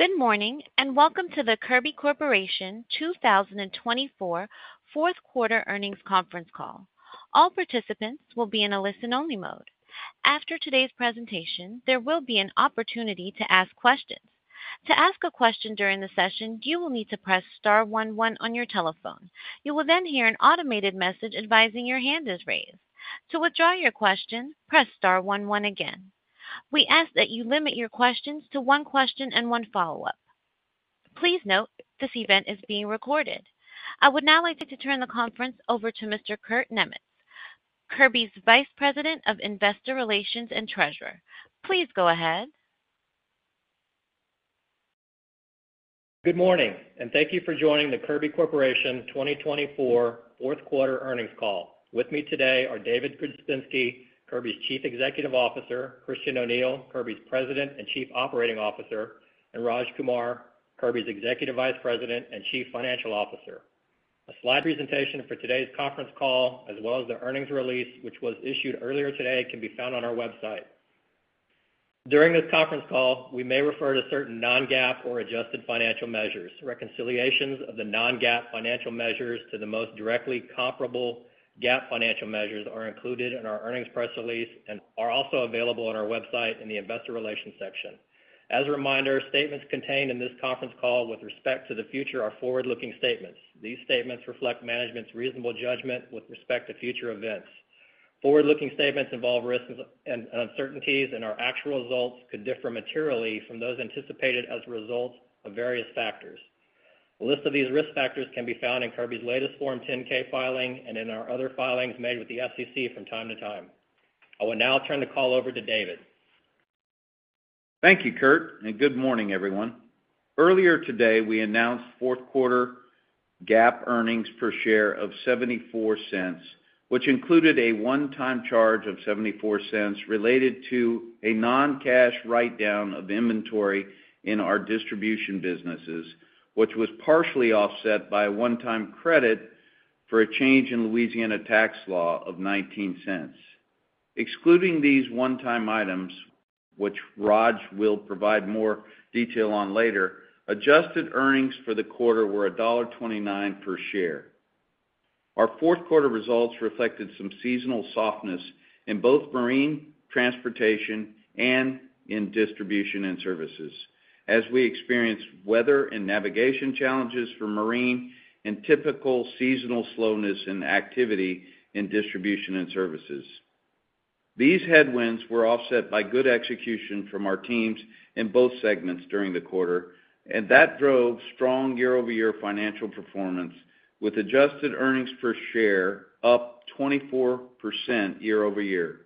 Good morning and welcome to the Kirby Corporation 2024 Fourth Quarter Earnings Conference Call. All Participants will be in a listen-only mode. After today's presentation, there will be an opportunity to ask a question during the session, you will need to press star one one on your telephone. You will then hear an automated message advising your hand is raised. To withdraw your question, press star one one again. We ask that you limit your questions to one question and one follow-up. Please note this event is being recorded. I would now like to turn the conference over to Mr. Kurt Niemietz, Kirby's Vice President of Investor Relations and Treasurer. Please go ahead. Good morning and thank you for joining the Kirby Corporation 2024 Fourth Quarter Earnings Call. With me today are David Grzebinski, Kirby's Chief Executive Officer, Christian O'Neil, Kirby's President and Chief Operating Officer, and Raj Kumar, Kirby's Executive Vice President and Chief Financial Officer. A slide presentation for today's conference call, as well as the earnings release which was issued earlier today, can be found on our website. During this conference call, we may refer to certain non-GAAP or adjusted financial measures. Reconciliations of the non-GAAP financial measures to the most directly comparable GAAP financial measures are included in our earnings press release and are also available on our website in the investor relations section. As a reminder, statements contained in this conference call with respect to the future are forward-looking statements. These statements reflect management's reasonable judgment with respect to future events. Forward-looking statements involve risks and uncertainties, and our actual results could differ materially from those anticipated as a result of various factors. A list of these risk factors can be found in Kirby's latest Form 10-K filing and in our other filings made with the SEC from time to time. I will now turn the call over to David. Thank you, Kurt, and good morning, everyone. Earlier today, we announced fourth quarter GAAP earnings per share of $0.74, which included a one-time charge of $0.74 related to a non-cash write-down of inventory in our distribution businesses, which was partially offset by a one-time credit for a change in Louisiana tax law of $0.19. Excluding these one-time items, which Raj will provide more detail on later, adjusted earnings for the quarter were $1.29 per share. Our fourth quarter results reflected some seasonal softness in both marine transportation and in distribution and services, as we experienced weather and navigation challenges for marine and typical seasonal slowness in activity in distribution and services. These headwinds were offset by good execution from our teams in both segments during the quarter, and that drove strong year-over-year financial performance, with adjusted earnings per share up 24% year-over-year.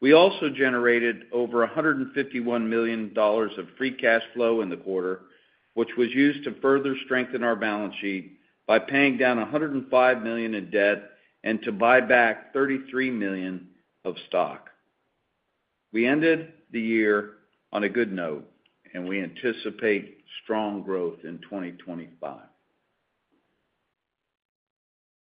We also generated over $151 million of free cash flow in the quarter, which was used to further strengthen our balance sheet by paying down $105 million in debt and to buy back $33 million of stock. We ended the year on a good note, and we anticipate strong growth in 2025.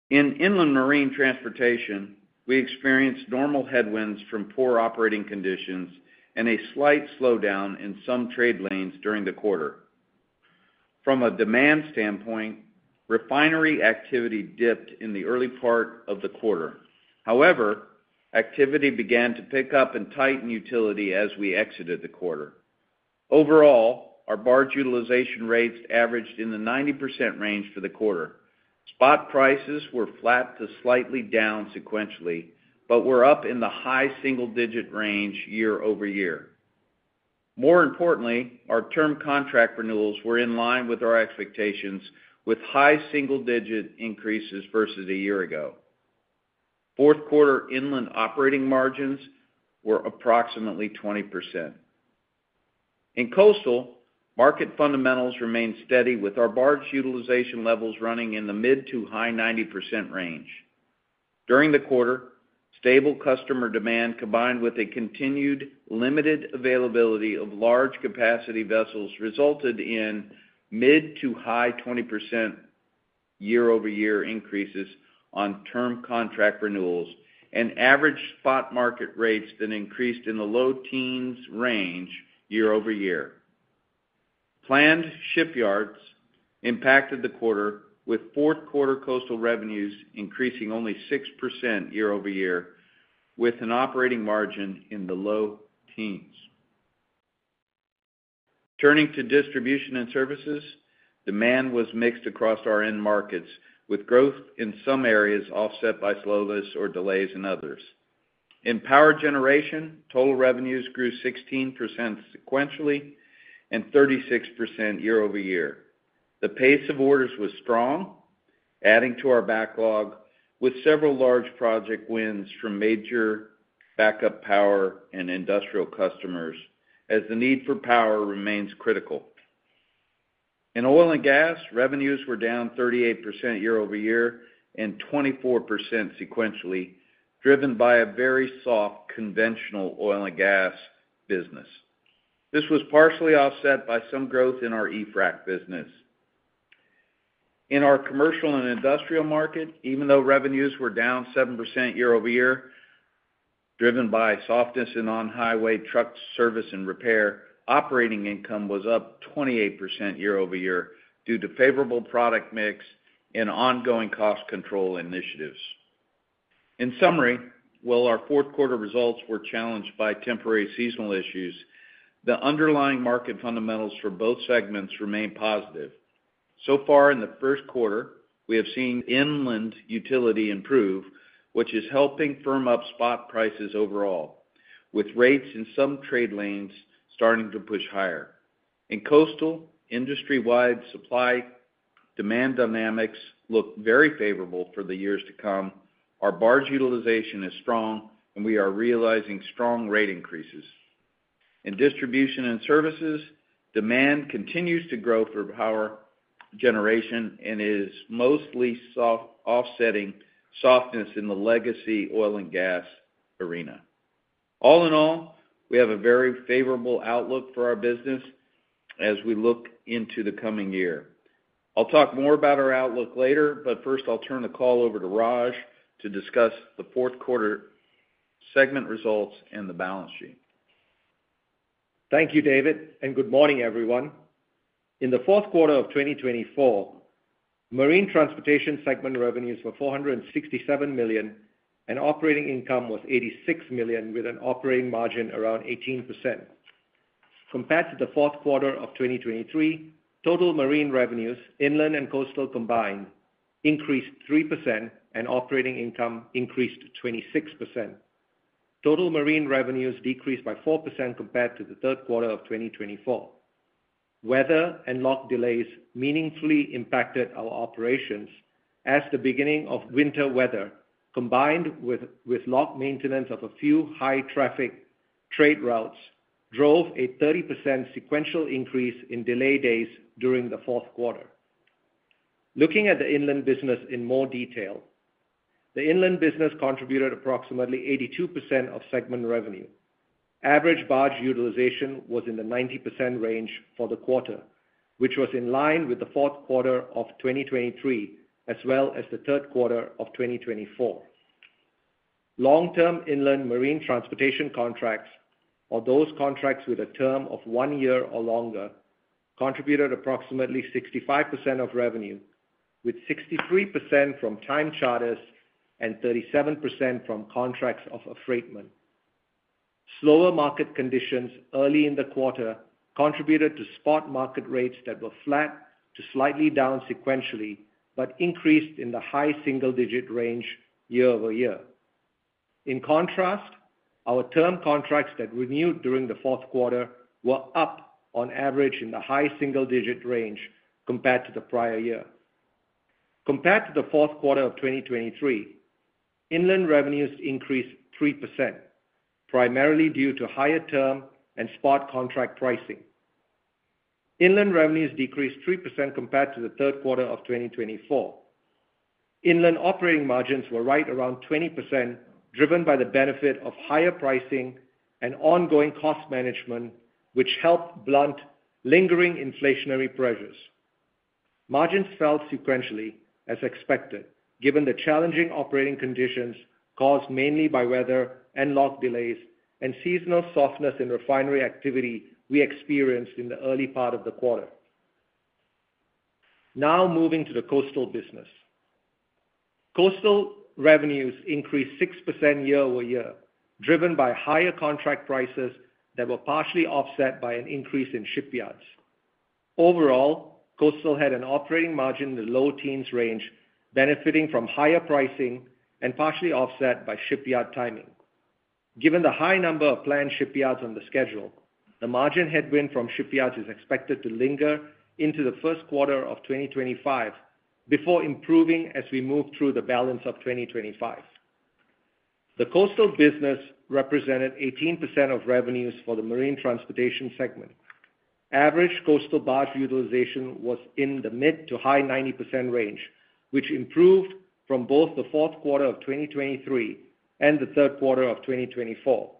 In Inland Marine transportation, we experienced normal headwinds from poor operating conditions and a slight slowdown in some trade lanes during the quarter. From a demand standpoint, refinery activity dipped in the early part of the quarter. However, activity began to pick up and tighten utilization as we exited the quarter. Overall, our barge utilization rates averaged in the 90% range for the quarter. Spot prices were flat to slightly down sequentially, but were up in the high single-digit range year-over-year. More importantly, our term contract renewals were in line with our expectations, with high single-digit increases versus a year-ago. Fourth quarter inland operating margins were approximately 20%. In coastal, market fundamentals remained steady, with our barge utilization levels running in the mid- to high-90% range. During the quarter, stable customer demand combined with a continued limited availability of large capacity vessels resulted in mid- to high-20% year-over-year increases on term contract renewals and average spot market rates that increased in the low-teens range year-over-year. Planned shipyards impacted the quarter, with fourth quarter coastal revenues increasing only 6% year-over-year, with an operating margin in the low teens. Turning to distribution and services, demand was mixed across our end markets, with growth in some areas offset by slowness or delays in others. In power generation, total revenues grew 16% sequentially and 36% year-over-year. The pace of orders was strong, adding to our backlog, with several large project wins from major backup power and industrial customers as the need for power remains critical. In oil and gas, revenues were down 38% year-over-year and 24% sequentially, driven by a very soft conventional oil and gas business. This was partially offset by some growth in our eFrac business. In our commercial and industrial market, even though revenues were down 7% year-over-year, driven by softness in on-highway truck service and repair, operating income was up 28% year-over-year due to favorable product mix and ongoing cost control initiatives. In summary, while our fourth quarter results were challenged by temporary seasonal issues, the underlying market fundamentals for both segments remain positive. So far in the first quarter, we have seen inland utility improve, which is helping firm up spot prices overall, with rates in some trade lanes starting to push higher. In coastal, industry-wide supply demand dynamics look very favorable for the years to come. Our barge utilization is strong, and we are realizing strong rate increases. In Distribution and Services, demand continues to grow for power generation and is mostly offsetting softness in the legacy oil and gas arena. All in all, we have a very favorable outlook for our business as we look into the coming year. I'll talk more about our outlook later, but first I'll turn the call over to Raj to discuss the fourth quarter segment results and the balance sheet. Thank you, David, and good morning, everyone. In the fourth quarter of 2024, Marine Transportation segment revenues were $467 million, and operating income was $86 million, with an operating margin around 18%. Compared to the fourth quarter of 2023, total marine revenues, inland and coastal combined, increased 3%, and operating income increased 26%. Total marine revenues decreased by 4% compared to the third quarter of 2024. Weather and lock delays meaningfully impacted our operations as the beginning of winter weather, combined with lock maintenance of a few high-traffic trade routes, drove a 30% sequential increase in delay days during the fourth quarter. Looking at the Inland Business in more detail, the Inland Business contributed approximately 82% of segment revenue. Average barge utilization was in the 90% range for the quarter, which was in line with the fourth quarter of 2023, as well as the third quarter of 2024. Long-term Inland Marine Transportation contracts, or those contracts with a term of one year or longer, contributed approximately 65% of revenue, with 63% from time charters and 37% from contracts of affreightment. Slower market conditions early in the quarter contributed to spot market rates that were flat to slightly down sequentially, but increased in the high single-digit range year-over-year. In contrast, our term contracts that renewed during the fourth quarter were up on average in the high single-digit range compared to the prior year. Compared to the fourth quarter of 2023, inland revenues increased 3%, primarily due to higher-term and spot contract pricing. Inland revenues decreased 3% compared to the third quarter of 2024. Inland operating margins were right around 20%, driven by the benefit of higher pricing and ongoing cost management, which helped blunt lingering inflationary pressures. Margins fell sequentially, as expected, given the challenging operating conditions caused mainly by weather and lock delays and seasonal softness in refinery activity we experienced in the early part of the quarter. Now moving to the Coastal Business. Coastal revenues increased 6% year-over-year, driven by higher contract prices that were partially offset by an increase in shipyards. Overall, coastal had an operating margin in the low teens range, benefiting from higher pricing and partially offset by shipyard timing. Given the high number of planned shipyards on the schedule, the margin headwind from shipyards is expected to linger into the first quarter of 2025 before improving as we move through the balance of 2025. The Coastal Business represented 18% of revenues for the Marine Transportation segment. Average coastal barge utilization was in the mid to high 90% range, which improved from both the fourth quarter of 2023 and the third quarter of 2024.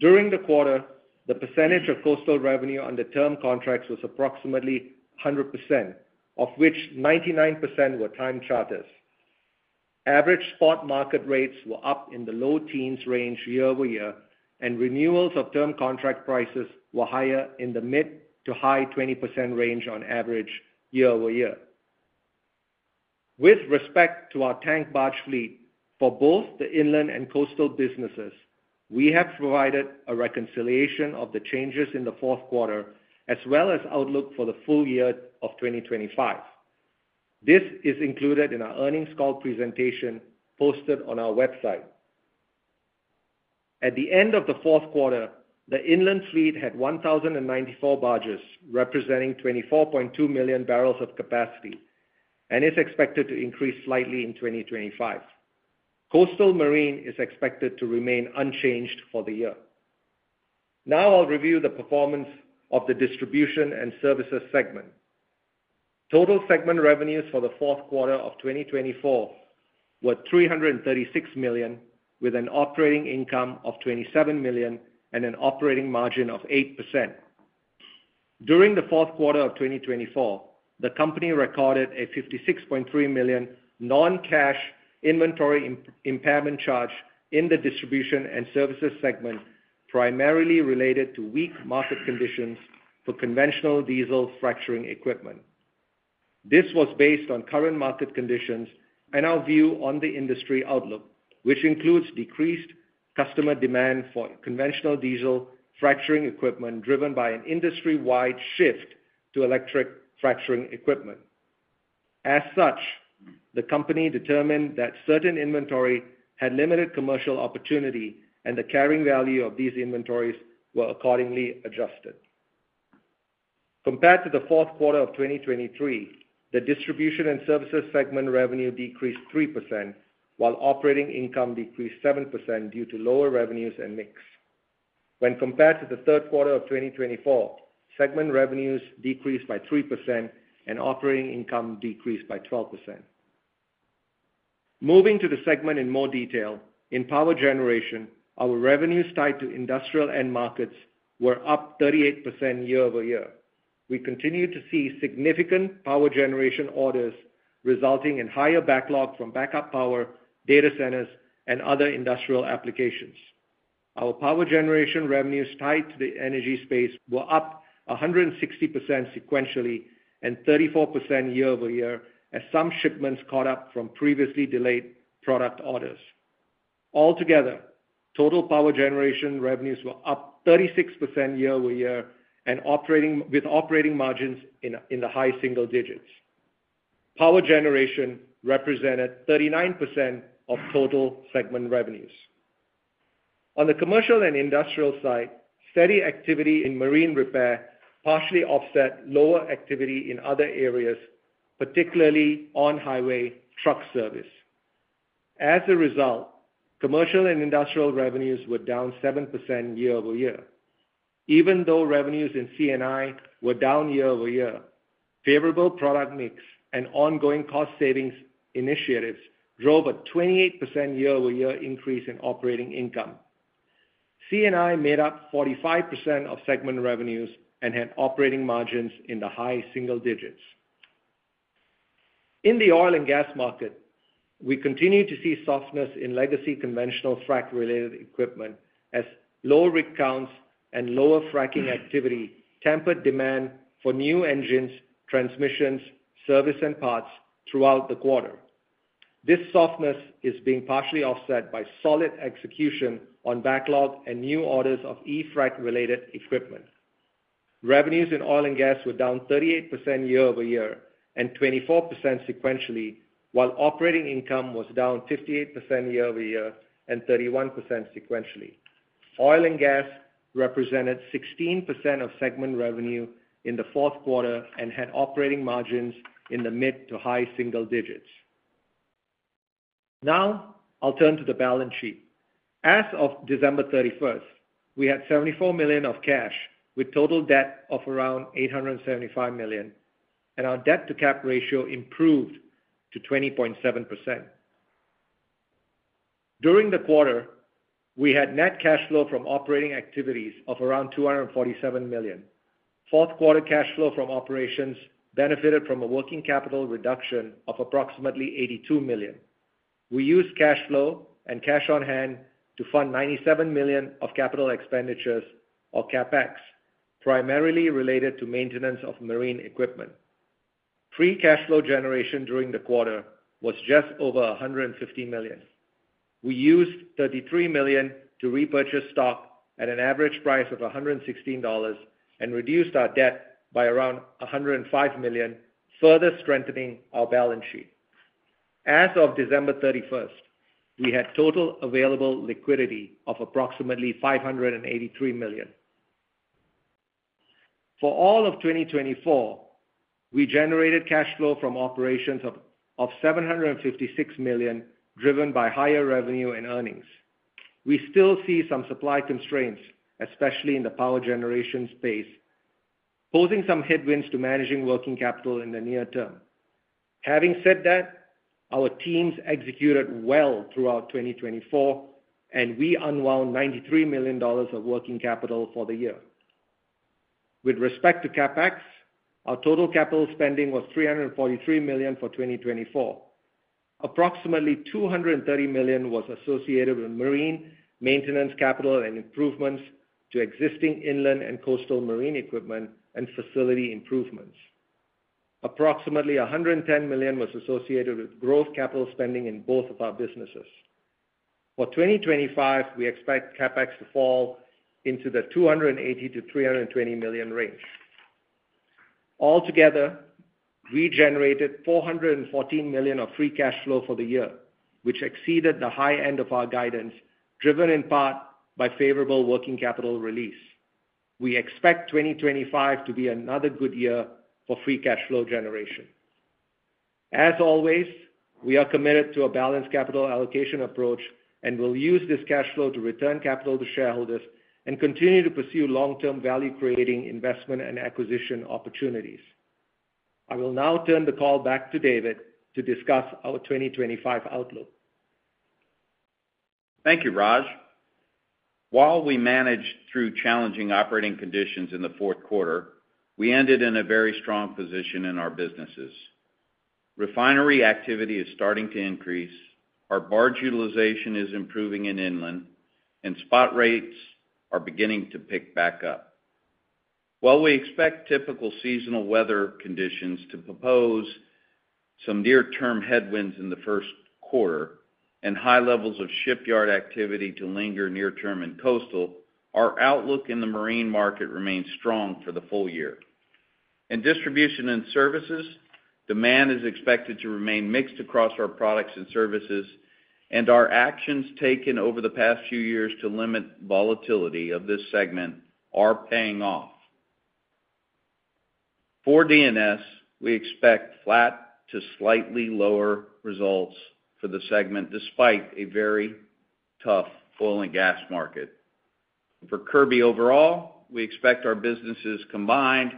During the quarter, the percentage of coastal revenue under term contracts was approximately 100%, of which 99% were time charters. Average spot market rates were up in the low teens range year-over-year, and renewals of term contract prices were higher in the mid-to-high 20% range on average year-over-year. With respect to our tank barge fleet, for both the Inland and Coastal businesses, we have provided a reconciliation of the changes in the fourth quarter, as well as outlook for the full year of 2025. This is included in our earnings call presentation posted on our website. At the end of the fourth quarter, the inland fleet had 1,094 barges, representing 24.2 million bbl of capacity, and is expected to increase slightly in 2025. Coastal marine is expected to remain unchanged for the year. Now I'll review the performance of the Distribution and Services segment. Total segment revenues for the fourth quarter of 2024 were $336 million, with an operating income of $27 million and an operating margin of 8%. During the fourth quarter of 2024, the company recorded a $56.3 million non-cash inventory impairment charge in the distribution and services segment, primarily related to weak market conditions for conventional diesel fracturing equipment. This was based on current market conditions and our view on the industry outlook, which includes decreased customer demand for conventional diesel fracturing equipment, driven by an industry-wide shift to electric fracturing equipment. As such, the company determined that certain inventory had limited commercial opportunity, and the carrying value of these inventories were accordingly adjusted. Compared to the fourth quarter of 2023, the Distribution and Services segment revenue decreased 3%, while operating income decreased 7% due to lower revenues and mix. When compared to the third quarter of 2024, segment revenues decreased by 3% and operating income decreased by 12%. Moving to the segment in more detail, in Power Generation, our revenues tied to industrial end markets were up 38% year-over-year. We continue to see significant power generation orders resulting in higher backlog from backup power, data centers, and other industrial applications. Our Power Generation revenues tied to the energy space were up 160% sequentially and 34% year-over-year, as some shipments caught up from previously delayed product orders. Altogether, total power generation revenues were up 36% year-over-year, with operating margins in the high single digits. Power Generation represented 39% of total segment revenues. On the Commercial and Industrial side, steady activity in marine repair partially offset lower activity in other areas, particularly on-highway truck service. As a result, commercial and industrial revenues were down 7% year-over-year. Even though revenues in C&I were down year-over-year, favorable product mix and ongoing cost savings initiatives drove a 28% year-over-year increase in operating income. C&I made up 45% of segment revenues and had operating margins in the high single digits. In the Oil and Gas market, we continue to see softness in legacy conventional frac-related equipment, as low rig counts and lower fracking activity tempered demand for new engines, transmissions, service, and parts throughout the quarter. This softness is being partially offset by solid execution on backlog and new orders of eFrac-related equipment. Revenues in Oil and Gas were down 38% year-over-year and 24% sequentially, while operating income was down 58% year-over-year and 31% sequentially. Oil and Gas represented 16% of segment revenue in the fourth quarter and had operating margins in the mid-to-high single digits. Now I'll turn to the balance sheet. As of December 31st, we had $74 million of cash, with total debt of around $875 million, and our Debt-to-Cap ratio improved to 20.7%. During the quarter, we had net cash flow from operating activities of around $247 million. Fourth quarter cash flow from operations benefited from a working capital reduction of approximately $82 million. We used cash flow and cash on hand to fund $97 million of capital expenditures, or CapEx, primarily related to maintenance of marine equipment. Free cash flow generation during the quarter was just over $150 million. We used $33 million to repurchase stock at an average price of $116 and reduced our debt by around $105 million, further strengthening our balance sheet. As of December 31st, we had total available liquidity of approximately $583 million. For all of 2024, we generated cash flow from operations of $756 million, driven by higher revenue and earnings. We still see some supply constraints, especially in the power generation space, posing some headwinds to managing working capital in the near term. Having said that, our teams executed well throughout 2024, and we unwound $93 million of working capital for the year. With respect to CapEx, our total capital spending was $343 million for 2024. Approximately $230 million was associated with marine maintenance capital and improvements to existing inland and coastal marine equipment and facility improvements. Approximately $110 million was associated with gross capital spending in both of our businesses. For 2025, we expect CapEx to fall into the $280 million-$320 million range. Altogether, we generated $414 million of free cash flow for the year, which exceeded the high end of our guidance, driven in part by favorable working capital release. We expect 2025 to be another good year for free cash flow generation. As always, we are committed to a balanced capital allocation approach and will use this cash flow to return capital to shareholders and continue to pursue long-term value-creating investment and acquisition opportunities. I will now turn the call back to David to discuss our 2025 outlook. Thank you, Raj. While we managed through challenging operating conditions in the fourth quarter, we ended in a very strong position in our businesses. Refinery activity is starting to increase, our barge utilization is improving in inland, and spot rates are beginning to pick back up. While we expect typical seasonal weather conditions to pose some near-term headwinds in the first quarter and high levels of shipyard activity to linger near-term in coastal, our outlook in the marine market remains strong for the full year. In distribution and services, demand is expected to remain mixed across our products and services, and our actions taken over the past few years to limit volatility of this segment are paying off. For D&S, we expect flat to slightly lower results for the segment despite a very tough Oil and Gas market. For Kirby overall, we expect our businesses combined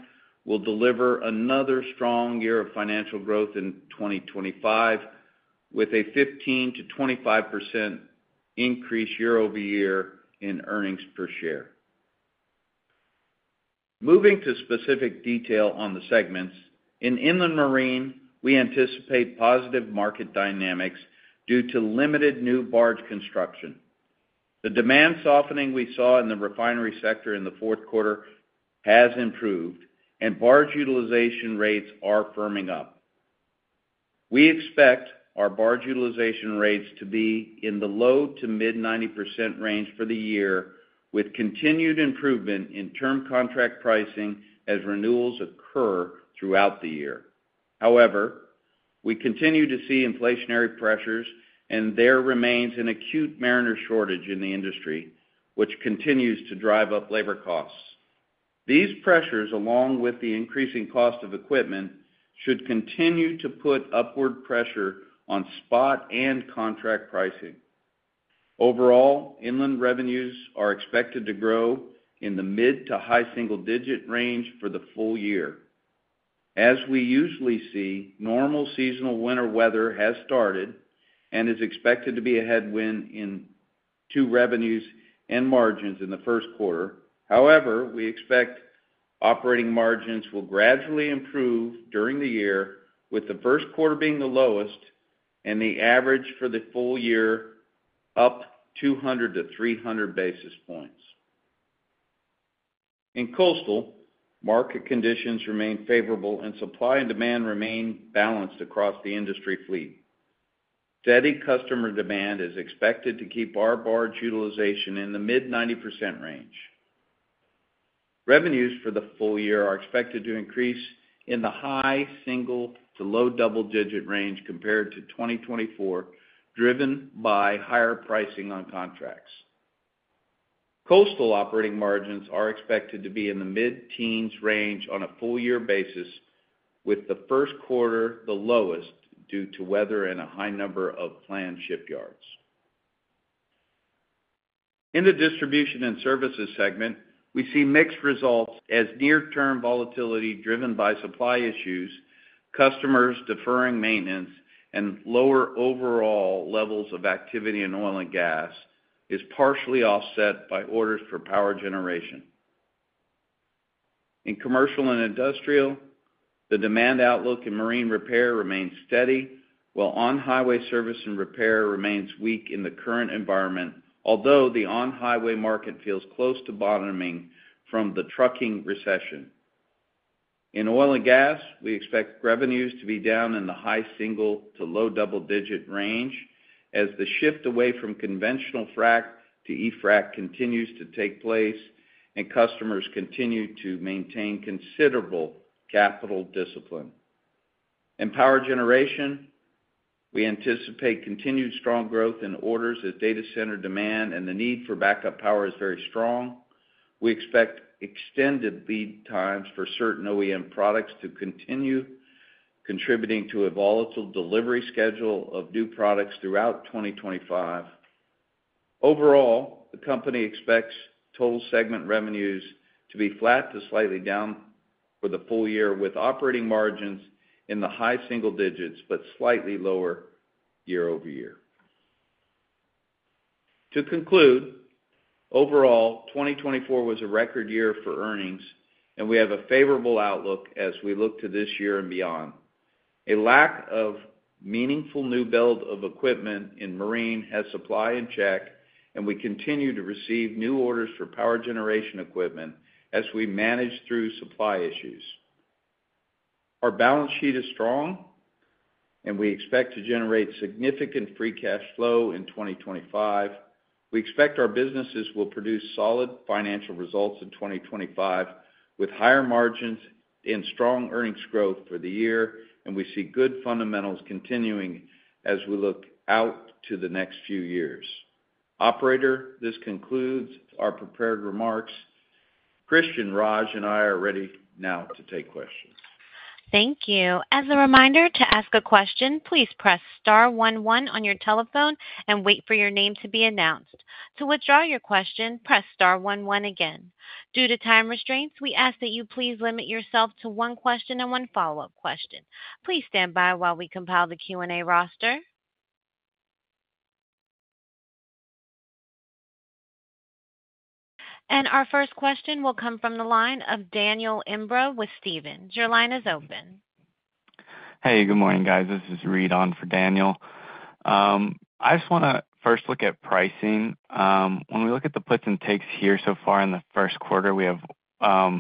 will deliver another strong year of financial growth in 2025, with a 15%-25% increase year-over-year in earnings per share. Moving to specific detail on the segments, in Inland Marine, we anticipate positive market dynamics due to limited new barge construction. The demand softening we saw in the refinery sector in the fourth quarter has improved, and barge utilization rates are firming up. We expect our barge utilization rates to be in the low-to-mid-90% range for the year, with continued improvement in term contract pricing as renewals occur throughout the year. However, we continue to see inflationary pressures and there remains an acute mariner shortage in the industry, which continues to drive up labor costs. These pressures, along with the increasing cost of equipment, should continue to put upward pressure on and contract pricing. Overall, inland revenues are expected to grow in the mid-to-high-single-digit range for the full year. As we usually see, normal seasonal winter weather has started and is expected to be a headwind to revenues and margins in the first quarter. However, we expect operating margins will gradually improve during the year, with the first quarter being the lowest and the average for the full year up 200 basis points to 300 basis points. In Coastal, market conditions remain favorable and supply and demand remain balanced across the industry fleet. Steady customer demand is expected to keep our barge utilization in the mid-90% range. Revenues for the full year are expected to increase in the high single-to-low double-digit range compared to 2024, driven by higher pricing on contracts. Coastal operating margins are expected to be in the mid-teens range on a full-year basis, with the first quarter the lowest due to weather and a high number of planned shipyards. In the Distribution and Services segment, we see mixed results as near-term volatility driven by supply issues, customers deferring maintenance, and lower overall levels of activity in Oil and Gas is partially offset by orders for Power Generation. In Commercial and Industrial, the demand outlook in marine repair remains steady, while on-highway service and repair remains weak in the current environment, although the on-highway market feels close to bottoming from the trucking recession. In Oil and Gas, we expect revenues to be down in the high single-to-low double-digit range as the shift away from conventional frac to eFrac continues to take place and customers continue to maintain considerable capital discipline. In Power Generation, we anticipate continued strong growth in orders as data center demand and the need for backup power is very strong. We expect extended lead times for certain OEM products to continue contributing to a volatile delivery schedule of new products throughout 2025. Overall, the company expects total segment revenues to be flat to slightly down for the full year, with operating margins in the high single digits but slightly lower year-over-year. To conclude, overall, 2024 was a record year for earnings, and we have a favorable outlook as we look to this year and beyond. A lack of meaningful new build of equipment in marine has supply in check, and we continue to receive new orders for power generation equipment as we manage through supply issues. Our balance sheet is strong, and we expect to generate significant free cash flow in 2025. We expect our businesses will produce solid financial results in 2025 with higher margins and strong earnings growth for the year, and we see good fundamentals continuing as we look out to the next few years. Operator, this concludes our prepared remarks. Christian, Raj, and I are ready now to take questions. Thank you. As a reminder, to ask a question, please press star one one on your telephone and wait for your name to be announced. To withdraw your question, press star one one again. Due to time constraints, we ask that you please limit yourself to one question and one follow-up question. Please stand by while we compile the Q&A roster. Our first question will come from the line of Daniel Imbro with Stephens. Your line is open. Hey, good morning, guys. This is Reed on for Daniel. I just want to first look at pricing. When we look at the puts and takes here so far in the first quarter, we have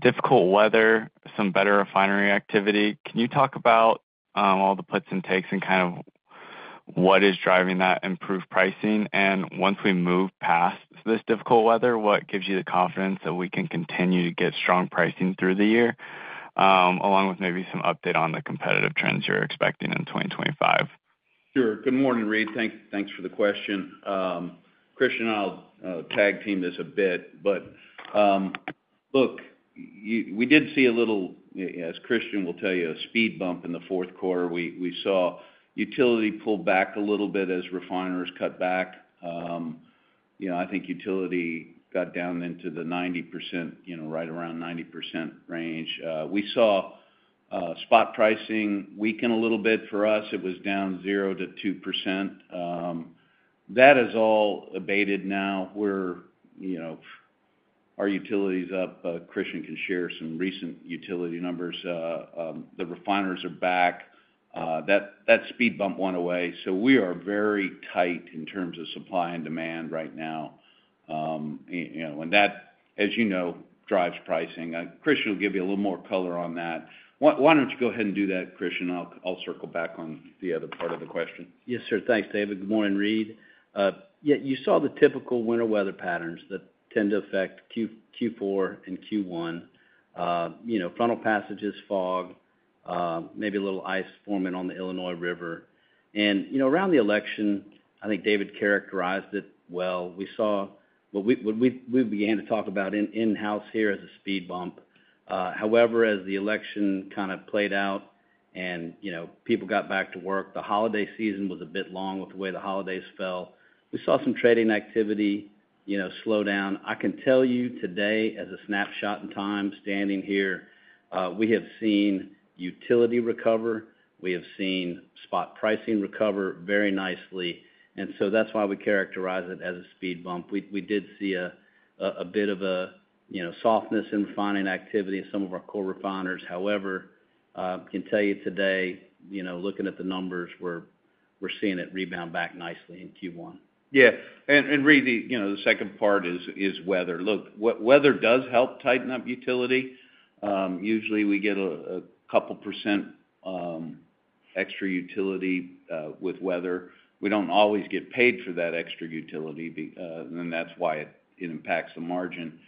difficult weather, some better refinery activity. Can you talk about all the puts and takes and kind of what is driving that improved pricing? And once we move past this difficult weather, what gives you the confidence that we can continue to get strong pricing through the year, along with maybe some update on the competitive trends you're expecting in 2025? Sure. Good morning, Reed. Thanks for the question. Christian and I'll tag team this a bit. But look, we did see a little, as Christian will tell you, a speed bump in the fourth quarter. We saw utilization pull back a little bit as refiners cut back. I think utility got down into the 90%, right around 90% range. We saw spot pricing weaken a little bit for us. It was down 0%-2%. That has all abated now. Our utility's up. Christian can share some recent utility numbers. The refiners are back. That speed bump went away. So we are very tight in terms of supply and demand right now. And that, as you know, drives pricing. Christian will give you a little more color on that. Why don't you go ahead and do that, Christian? I'll circle back on the other part of the question. Yes, sir. Thanks, David. Good morning, Reed. You saw the typical winter weather patterns that tend to affect Q4 and Q1. Frontal passages, fog, maybe a little ice forming on the Illinois River, and around the election, I think David characterized it well. We saw what we began to talk about in-house here as a speed bump. However, as the election kind of played out and people got back to work, the holiday season was a bit long with the way the holidays fell. We saw some trading activity slow down. I can tell you today, as a snapshot in time, standing here, we have seen utility recover. We have seen spot pricing recover very nicely. And so that's why we characterize it as a speed bump. We did see a bit of a softness in refining activity in some of our core refiners. However, I can tell you today, looking at the numbers, we're seeing it rebound back nicely in Q1. Yeah. And Reed, the second part is weather. Look, weather does help tighten up utility. Usually, we get a couple % extra utility with weather. We don't always get paid for that extra utility, and that's why it impacts the margin.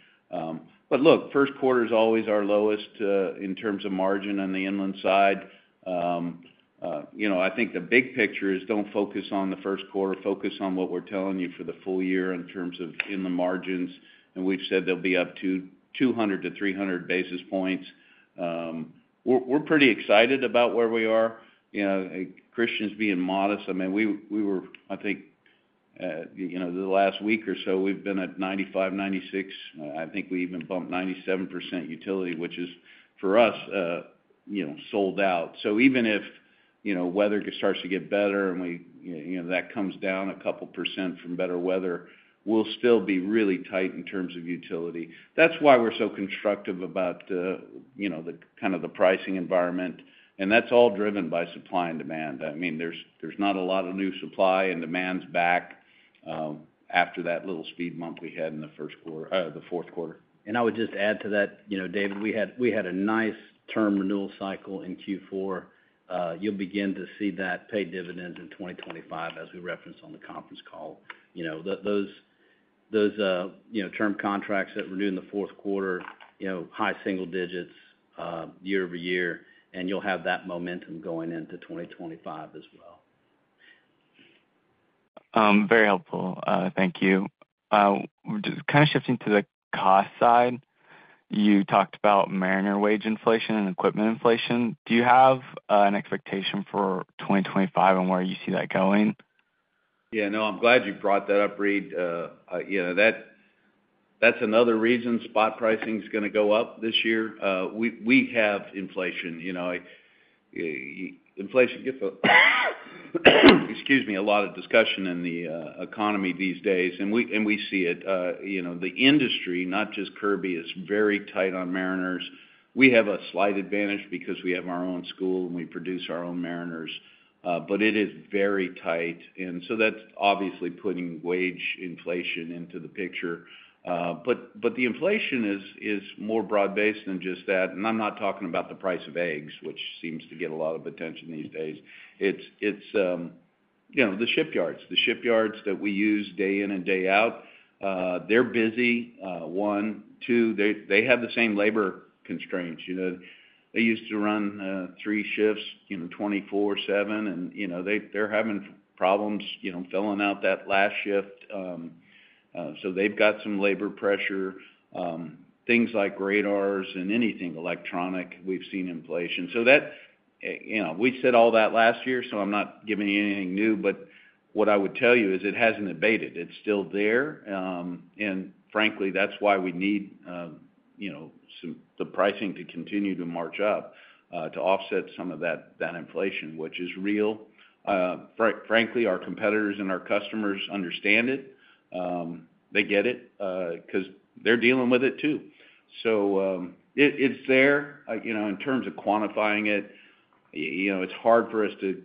Look, first quarter is always our lowest in terms of margin on the inland side. I think the big picture is don't focus on the first quarter. Focus on what we're telling you for the full year in terms of in the margins. We've said they'll be 200 basis points to 300 basis points. We're pretty excited about where we are. Christian's being modest. I mean, we were, I think, the last week or so, we've been at 95%, 96%. I think we even bumped 97% utilization, which is, for us, sold out. So even if weather starts to get better and that comes down a couple percent from better weather, we'll still be really tight in terms of utilization. That's why we're so constructive about kind of the pricing environment. That's all driven by supply and demand. I mean, there's not a lot of new supply and demand's back after that little speed bump we had in the fourth quarter. And I would just add to that, David, we had a nice term renewal cycle in Q4. You'll begin to see that pay dividends in 2025, as we referenced on the conference call. Those term contracts that were due in the fourth quarter, high single digits year-over-year, and you'll have that momentum going into 2025 as well. Very helpful. Thank you. Just kind of shifting to the cost side, you talked about mariner wage inflation and equipment inflation. Do you have an expectation for 2025 and where you see that going? Yeah. No, I'm glad you brought that up, Reed. That's another reason spot pricing is going to go up this year. We have inflation. Inflation gets, excuse me, a lot of discussion in the economy these days, and we see it. The industry, not just Kirby, is very tight on mariners. We have a slight advantage because we have our own school and we produce our own mariners, but it is very tight, and so that's obviously putting wage inflation into the picture, but the inflation is more broad-based than just that, and I'm not talking about the price of eggs, which seems to get a lot of attention these days. It's the shipyards. The shipyards that we use day in and day out, they're busy. One, two, they have the same labor constraints. They used to run three shifts, 24/7, and they're having problems filling out that last shift. So they've got some labor pressure. Things like radars and anything electronic, we've seen inflation. We said all that last year, so I'm not giving you anything new. But what I would tell you is it hasn't abated. It's still there. And frankly, that's why we need the pricing to continue to march up to offset some of that inflation, which is real. Frankly, our competitors and our customers understand it. They get it because they're dealing with it too. So it's there. In terms of quantifying it, it's hard for us to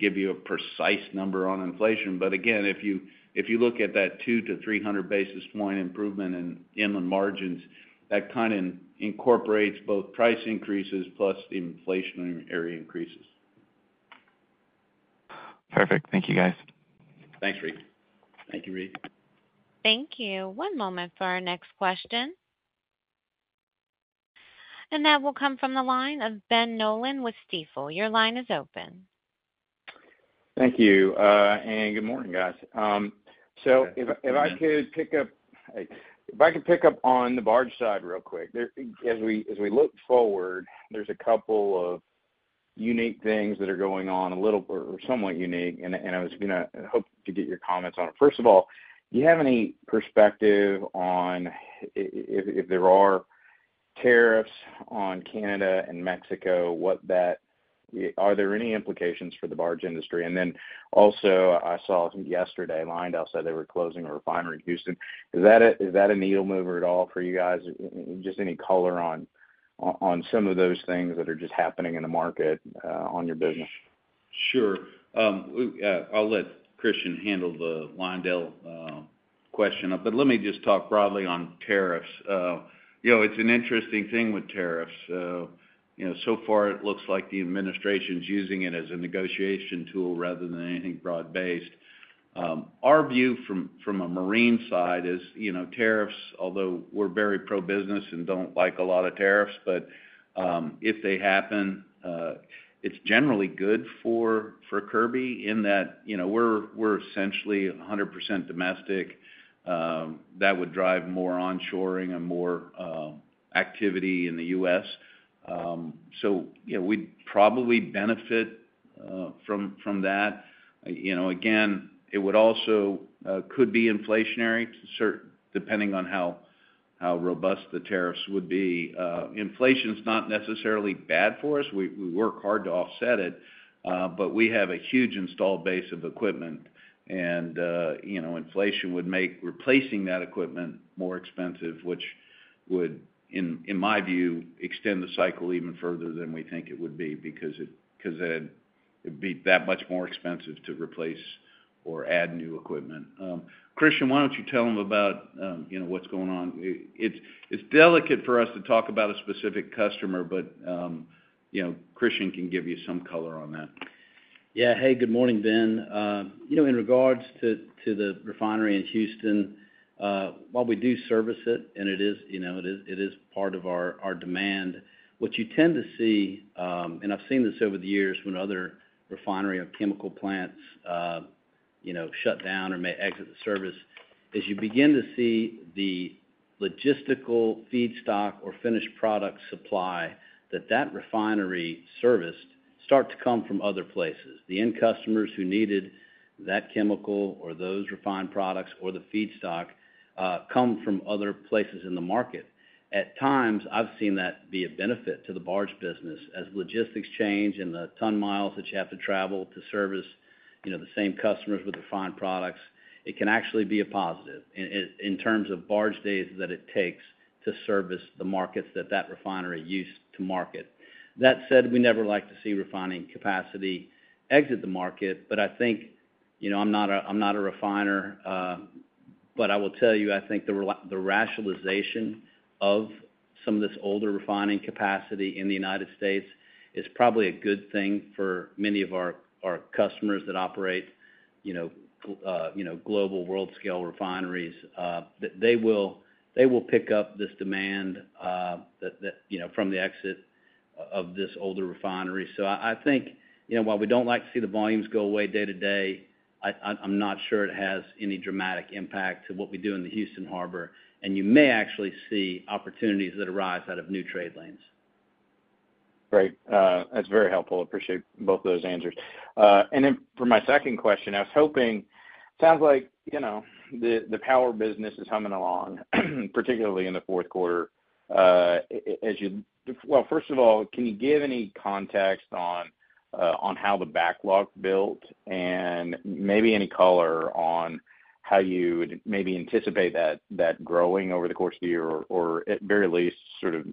give you a precise number on inflation. But again, if you look at that 200 basis points to 300 basis points improvement in inland margins, that kind of incorporates both price increases plus the inflationary increases. Perfect. Thank you, guys. Thanks, Reed. Thank you, Reed. Thank you. One moment for our next question. That will come from the line of Ben Nolan with Stifel. Your line is open. Thank you. Good morning, guys. If I could pick up on the barge side real quick. As we look forward, there's a couple of unique things that are going on, a little or somewhat unique. I was going to hope to get your comments on it. First of all, do you have any perspective on if there are tariffs on Canada and Mexico, are there any implications for the barge industry? Also, I saw yesterday Lyondell said they were closing a refinery in Houston. Is that a needle mover at all for you guys? Just any color on some of those things that are just happening in the market on your business? Sure. I'll let Christian handle the Lyondell question. Let me just talk broadly on tariffs. It's an interesting thing with tariffs. So far, it looks like the administration's using it as a negotiation tool rather than anything broad-based. Our view from a marine side is tariffs, although we're very pro-business and don't like a lot of tariffs, but if they happen, it's generally good for Kirby in that we're essentially 100% domestic. That would drive more onshoring and more activity in the U.S. So we'd probably benefit from that. Again, it could be inflationary, depending on how robust the tariffs would be. Inflation's not necessarily bad for us. We work hard to offset it. But we have a huge installed base of equipment. And inflation would make replacing that equipment more expensive, which would, in my view, extend the cycle even further than we think it would be because it'd be that much more expensive to replace or add new equipment. Christian, why don't you tell them about what's going on? It's delicate for us to talk about a specific customer, but Christian can give you some color on that. Yeah. Hey, good morning, Ben. In regards to the refinery in Houston, while we do service it, and it is part of our demand, what you tend to see, and I've seen this over the years when other refinery or chemical plants shut down or may exit the service, is you begin to see the logistical feedstock or finished product supply that that refinery serviced start to come from other places. The end customers who needed that chemical or those refined products or the feedstock come from other places in the market. At times, I've seen that be a benefit to the barge business as logistics change and the ton miles that you have to travel to service the same customers with refined products. It can actually be a positive in terms of barge days that it takes to service the markets that that refinery used to market. That said, we never like to see refining capacity exit the market. But I think I'm not a refiner, but I will tell you, I think the rationalization of some of this older refining capacity in the United States is probably a good thing for many of our customers that operate global world-scale refineries. They will pick up this demand from the exit of this older refinery. So I think while we don't like to see the volumes go away day to day, I'm not sure it has any dramatic impact to what we do in the Houston Harbor, and you may actually see opportunities that arise out of new trade lanes. Great. That's very helpful. Appreciate both of those answers. And then for my second question, I was hoping. It sounds like the power business is humming along, particularly in the fourth quarter. Well, first of all, can you give any context on how the backlog built and maybe any color on how you would maybe anticipate that growing over the course of the year or, at very least, sort of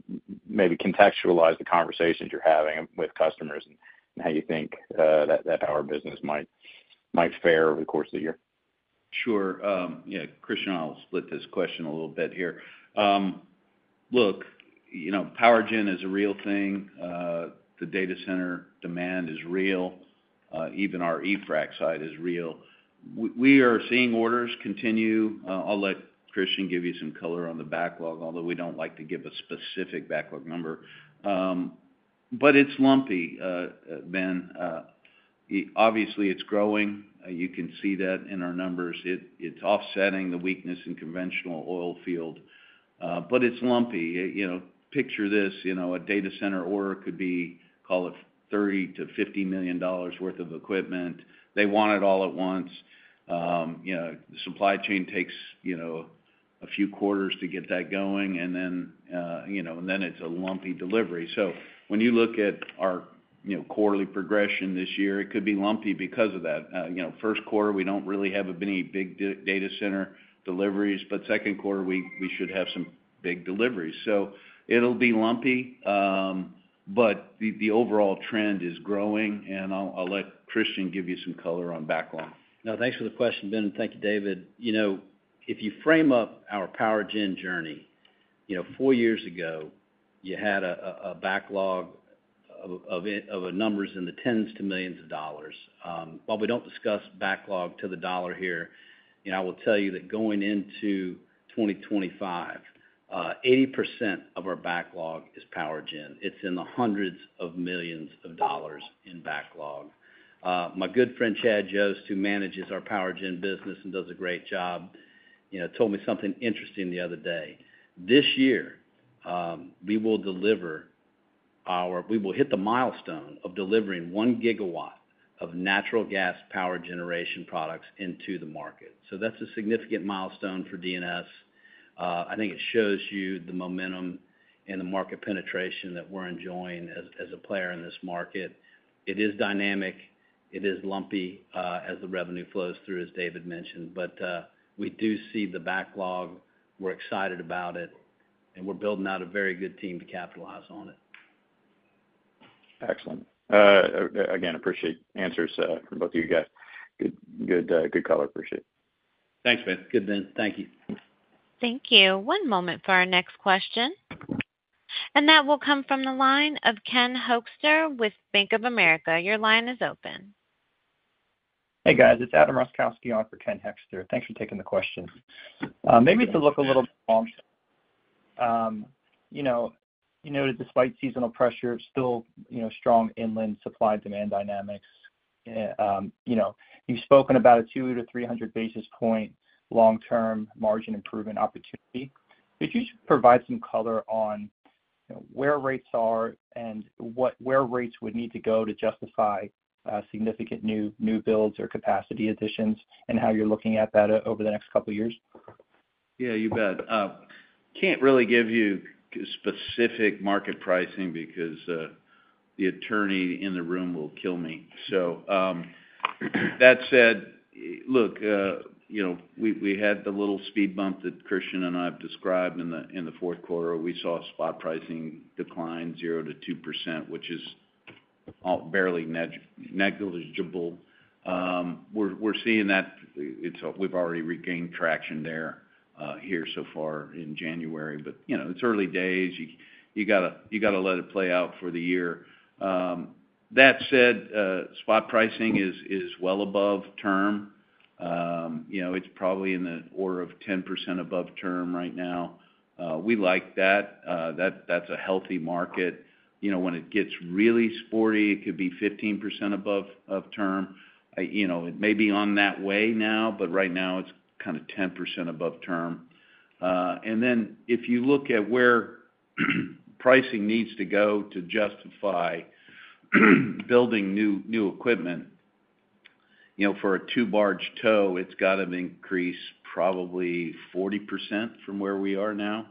maybe contextualize the conversations you're having with customers and how you think that power business might fare over the course of the year? Sure. Yeah. Christian, I'll split this question a little bit here. Look, power gen is a real thing. The data center demand is real. Even our eFrac side is real. We are seeing orders continue. I'll let Christian give you some color on the backlog, although we don't like to give a specific backlog number. But it's lumpy, Ben. Obviously, it's growing. You can see that in our numbers. It's offsetting the weakness in conventional oil field, but it's lumpy. Picture this: a data center order could be, call it, $30 million-$50 million worth of equipment. They want it all at once. The supply chain takes a few quarters to get that going, and then it's a lumpy delivery. So when you look at our quarterly progression this year, it could be lumpy because of that. First quarter, we don't really have any big data center deliveries, but second quarter, we should have some big deliveries. So it'll be lumpy, but the overall trend is growing. And I'll let Christian give you some color on backlog. No, thanks for the question, Ben. And thank you, David. If you frame up our power gen journey, four years ago, you had a backlog of numbers in the tens to millions of dollars. While we don't discuss backlog to the dollar here, I will tell you that going into 2025, 80% of our backlog is power gen. It's in the hundreds of millions of dollars in backlog. My good friend Chad Joost, who manages our power gen business and does a great job, told me something interesting the other day. This year, we will hit the milestone of delivering one gigawatt of natural gas power generation products into the market. So that's a significant milestone for D&S. I think it shows you the momentum and the market penetration that we're enjoying as a player in this market. It is dynamic. It is lumpy as the revenue flows through, as David mentioned. But we do see the backlog. We're excited about it. And we're building out a very good team to capitalize on it. Excellent. Again, appreciate answers from both of you guys. Good color. Appreciate it. Thanks, Ben. Good, Ben. Thank you. Thank you. One moment for our next question. And that will come from the line of Ken Hoexter with Bank of America. Your line is open. Hey, guys. It's Adam Roszkowski on for Ken Hoexter. Thanks for taking the question. Maybe it's a look a little bit long. You noted, despite seasonal pressure, still strong inland supply-demand dynamics. You've spoken 200 basis points to 300 basis point long-term margin improvement opportunity. Could you provide some color on where rates are and where rates would need to go to justify significant new builds or capacity additions and how you're looking at that over the next couple of years? Yeah, you bet. Can't really give you specific market pricing because the attorney in the room will kill me. That said, look, we had the little speed bump that Christian and I have described in the fourth quarter. We saw spot pricing decline 0%-2%, which is barely negligible. We're seeing that. We've already regained traction here so far in January. But it's early days. You got to let it play out for the year. That said, spot pricing is well above term. It's probably in the order of 10% above term right now. We like that. That's a healthy market. When it gets really sporty, it could be 15% above term. It may be on that way now, but right now, it's kind of 10% above term. And then if you look at where pricing needs to go to justify building new equipment for a two-barge tow, it's got to increase probably 40% from where we are now.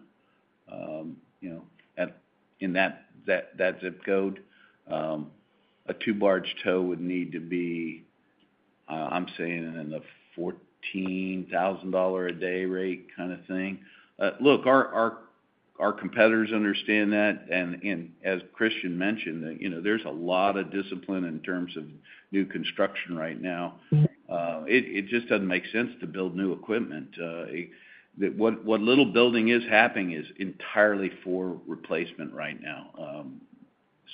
That zip code, a two-barge tow would need to be, I'm saying, in the $14,000 a day rate kind of thing. Look, our competitors understand that. And as Christian mentioned, there's a lot of discipline in terms of new construction right now. It just doesn't make sense to build new equipment. What little building is happening is entirely for replacement right now.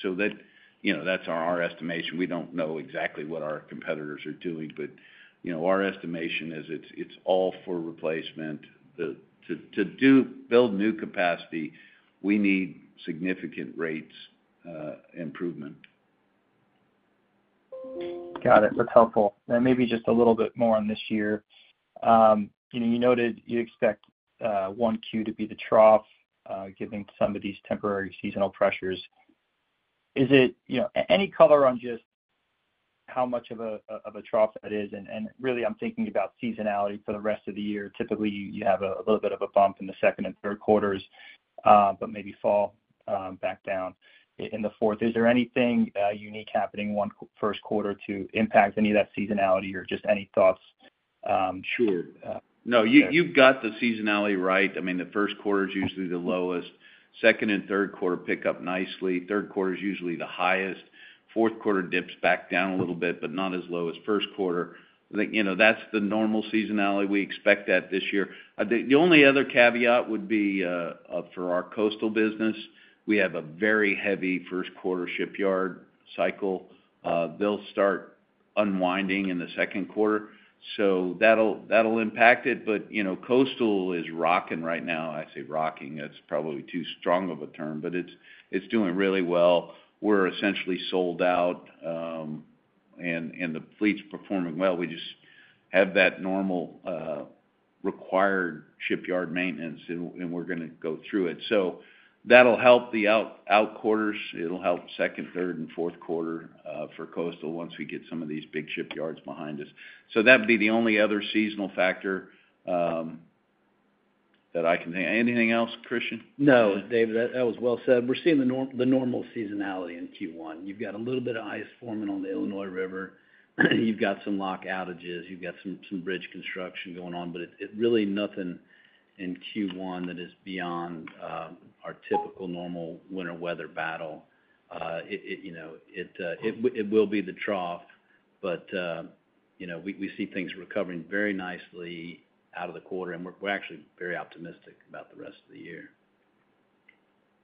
So that's our estimation. We don't know exactly what our competitors are doing. But our estimation is it's all for replacement. To build new capacity, we need significant rates improvement. Got it. That's helpful. And maybe just a little bit more on this year. You noted you expect Q1 to be the trough given some of these temporary seasonal pressures. Is it any color on just how much of a trough that is? And really, I'm thinking about seasonality for the rest of the year. Typically, you have a little bit of a bump in the second and third quarters, but maybe fall back down in the fourth. Is there anything unique happening in the first quarter to impact any of that seasonality or just any thoughts? Sure. No, you've got the seasonality right. I mean, the first quarter is usually the lowest. Second and third quarter pick up nicely. Third quarter is usually the highest. Fourth quarter dips back down a little bit, but not as low as first quarter. That's the normal seasonality we expect that this year. The only other caveat would be for our Coastal Business. We have a very heavy first quarter shipyard cycle. They'll start unwinding in the second quarter. So that'll impact it. But coastal is rocking right now. I say rocking. That's probably too strong of a term, but it's doing really well. We're essentially sold out, and the fleet's performing well. We just have that normal required shipyard maintenance, and we're going to go through it. So that'll help the outer quarters. It'll help second, third, and fourth quarter for coastal once we get some of these big shipyards behind us. So that'd be the only other seasonal factor that I can think of. Anything else, Christian? No, David, that was well said. We're seeing the normal seasonality in Q1. You've got a little bit of ice forming on the Illinois River. You've got some lock outages. You've got some bridge construction going on. But really, nothing in Q1 that is beyond our typical normal winter weather battle. It will be the trough, but we see things recovering very nicely out of the quarter. And we're actually very optimistic about the rest of the year.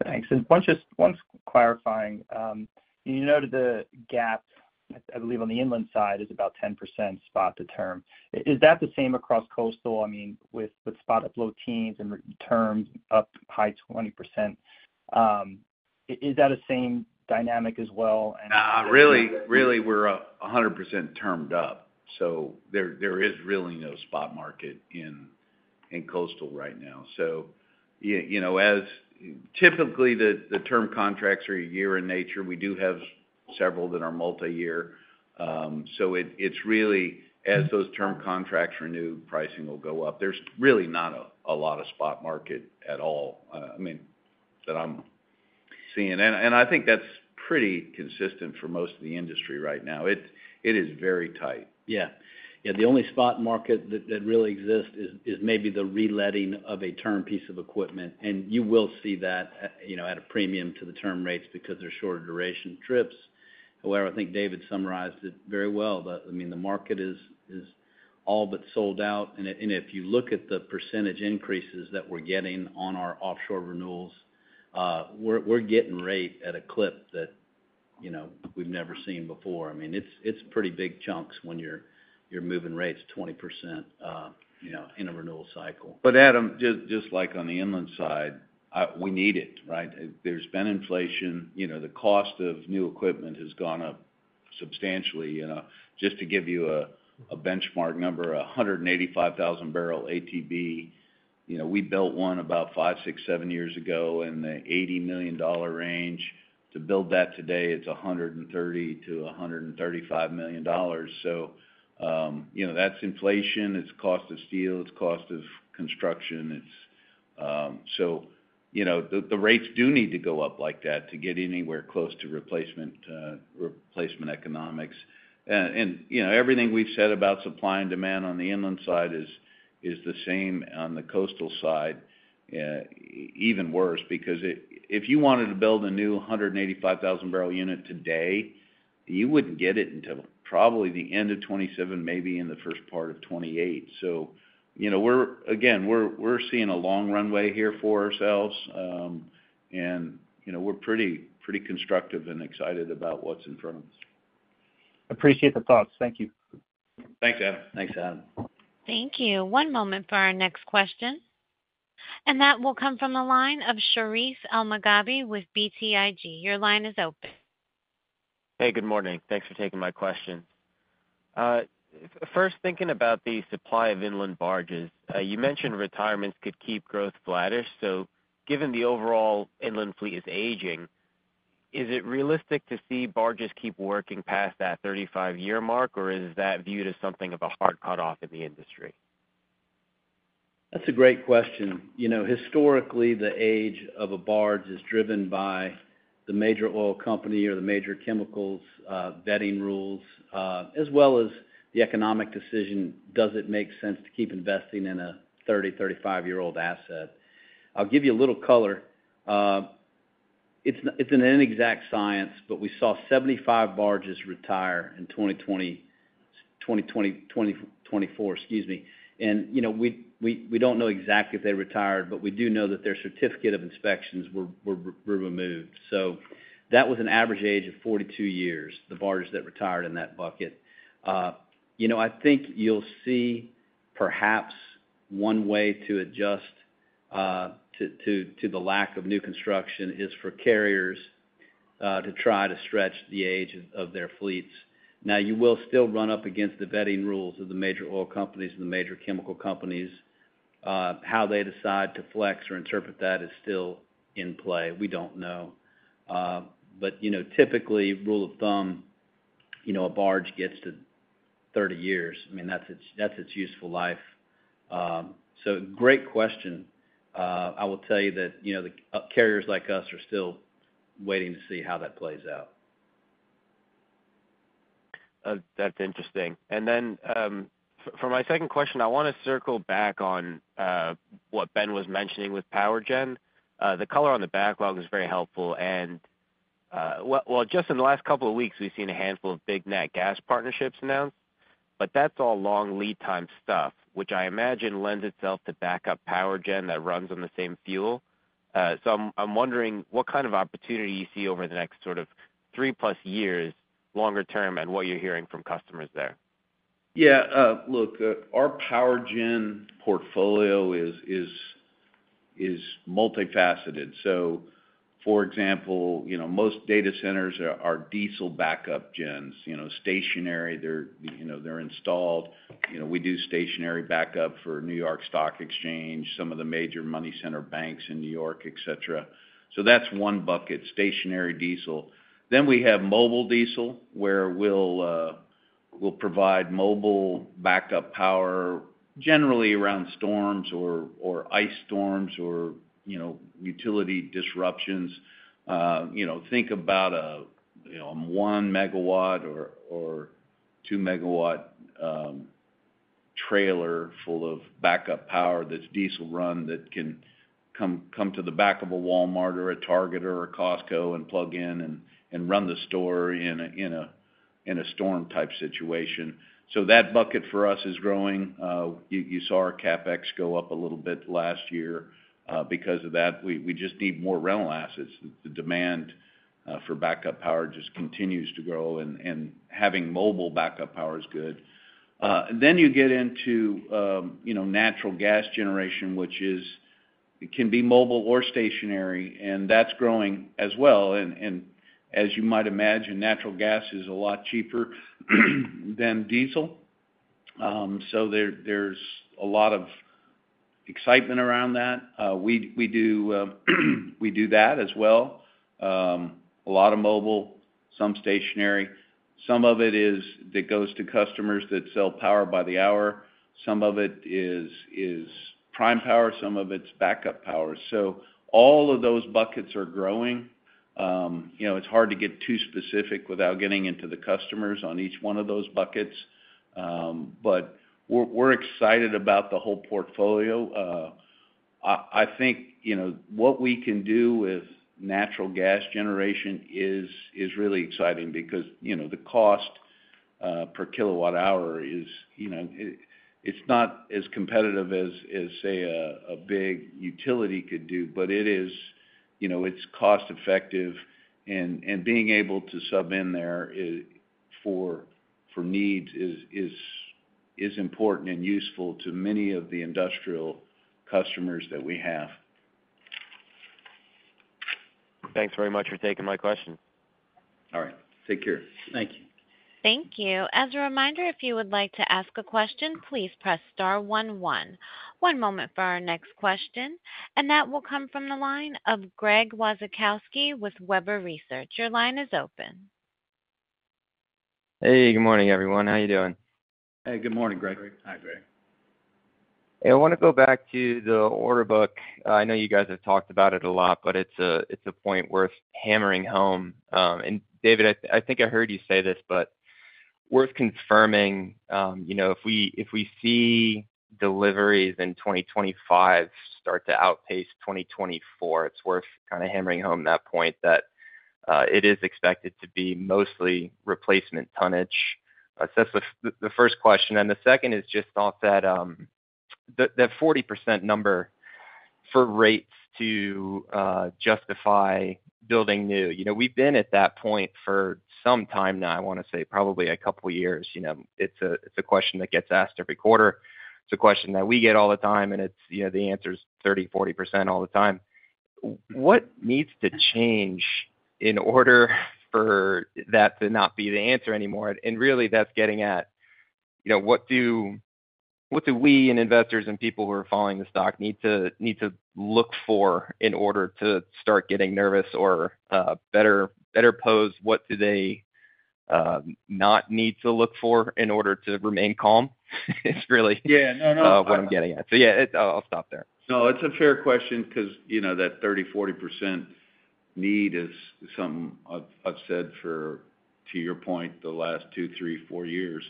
Thanks. And one quick clarifying. You noted the gap, I believe, on the inland side is about 10% spot-to-term. Is that the same across coastal? I mean, with spot up low teens% and terms up high 20%, is that the same dynamic as well? Really, we're 100% termed up. So there is really no spot market in coastal right now. So typically, the term contracts are a year in nature. We do have several that are multi-year. So it's really, as those term contracts renew, pricing will go up. There's really not a lot of spot market at all, I mean, that I'm seeing. And I think that's pretty consistent for most of the industry right now. It is very tight. Yeah. Yeah. The only spot market that really exists is maybe the reletting of a term piece of equipment. You will see that at a premium to the term rates because they're shorter duration trips. However, I think David summarized it very well. I mean, the market is all but sold out. And if you look at the percentage increases that we're getting on our offshore renewals, we're getting rate at a clip that we've never seen before. I mean, it's pretty big chunks when you're moving rates 20% in a renewal cycle. But Adam, just like on the inland side, we need it, right? There's been inflation. The cost of new equipment has gone up substantially. Just to give you a benchmark number, 185,000 bbl ATB. We built one about five, six, seven years ago in the $80 million range. To build that today, it's $130 million-$135 million. So that's inflation. It's cost of steel. It's cost of construction. So the rates do need to go up like that to get anywhere close to replacement economics. And everything we've said about supply and demand on the inland side is the same on the coastal side, even worse. Because if you wanted to build a new 185,000 bbl unit today, you wouldn't get it until probably the end of 2027, maybe in the first part of 2028. So again, we're seeing a long runway here for ourselves. And we're pretty constructive and excited about what's in front of us. Appreciate the thoughts. Thank you. Thanks, Adam. Thanks, Adam. Thank you. One moment for our next question. And that will come from the line of Sherif Elmaghrabi with BTIG. Your line is open. Hey, good morning. Thanks for taking my question. First, thinking about the supply of inland barges, you mentioned retirements could keep growth flattish. Given the overall inland fleet is aging, is it realistic to see barges keep working past that 35-year mark, or is that viewed as something of a hard cutoff in the industry? That's a great question. Historically, the age of a barge is driven by the major oil company or the major chemicals vetting rules, as well as the economic decision: does it make sense to keep investing in a 30, 35-year-old asset? I'll give you a little color. It's an inexact science, but we saw 75 barges retire in 2024, excuse me. We don't know exactly if they retired, but we do know that their certificate of inspections were removed. That was an average age of 42 years, the barges that retired in that bucket. I think you'll see perhaps one way to adjust to the lack of new construction is for carriers to try to stretch the age of their fleets. Now, you will still run up against the vetting rules of the major oil companies and the major chemical companies. How they decide to flex or interpret that is still in play. We don't know. But typically, rule of thumb, a barge gets to 30 years. I mean, that's its useful life. So great question. I will tell you that carriers like us are still waiting to see how that plays out. That's interesting. And then for my second question, I want to circle back on what Ben was mentioning with power gen. The color on the backlog is very helpful. And well, just in the last couple of weeks, we've seen a handful of big natural gas partnerships announced. But that's all long lead time stuff, which I imagine lends itself to backup power gen that runs on the same fuel, so I'm wondering what kind of opportunity you see over the next sort of three-plus years, longer-term, and what you're hearing from customers there. Yeah. Look, our power gen portfolio is multifaceted, so for example, most data centers are diesel backup gens, stationary. They're installed. We do stationary backup for New York Stock Exchange, some of the major money center banks in New York, etc., so that's one bucket, stationary diesel. Then we have mobile diesel where we'll provide mobile backup power generally around storms or ice storms or utility disruptions. Think about a one-megawatt or two-megawatt trailer full of backup power that's diesel run that can come to the back of a Walmart or a Target or a Costco and plug in and run the store in a storm-type situation. So that bucket for us is growing. You saw our CapEx go up a little bit last year because of that. We just need more rental assets. The demand for backup power just continues to grow, and having mobile backup power is good. Then you get into natural gas generation, which can be mobile or stationary, and that's growing as well. And as you might imagine, natural gas is a lot cheaper than diesel. So there's a lot of excitement around that. We do that as well. A lot of mobile, some stationary. Some of it is that goes to customers that sell power by the hour. Some of it is prime power. Some of it's backup power. So all of those buckets are growing. It's hard to get too specific without getting into the customers on each one of those buckets. But we're excited about the whole portfolio. I think what we can do with natural gas generation is really exciting because the cost per kilowatt-hour is it's not as competitive as, say, a big utility could do, but it's cost-effective. And being able to sub in there for needs is important and useful to many of the industrial customers that we have. Thanks very much for taking my question. All right. Take care. Thank you. Thank you. As a reminder, if you would like to ask a question, please press star one one. One moment for our next question. And that will come from the line of Greg Wasikowski with Webber Research. Your line is open. Hey, good morning, everyone. How are you doing? Hey, good morning, Greg. Hi, Greg. Hey, I want to go back to the order book. I know you guys have talked about it a lot, but it's a point worth hammering home, and David, I think I heard you say this, but worth confirming, if we see deliveries in 2025 start to outpace 2024, it's worth kind of hammering home that point that it is expected to be mostly replacement tonnage. So that's the first question, and the second is just off that 40% number for rates to justify building new. We've been at that point for some time now, I want to say, probably a couple of years. It's a question that gets asked every quarter. It's a question that we get all the time, and the answer is 30%-40% all the time. What needs to change in order for that to not be the answer anymore? And really, that's getting at what do we and investors and people who are following the stock need to look for in order to start getting nervous or better posed? What do they not need to look for in order to remain calm? It's really what I'm getting at. So yeah, I'll stop there. No, it's a fair question because that 30%-40% need is something I've said for, to your point, the last two, three, four years.